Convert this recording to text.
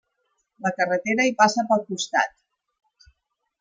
La carretera hi passa pel costat.